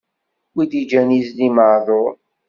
Wi d-iǧǧan izli maɛduṛ.